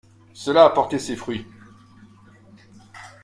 Cela a porté ses fruits.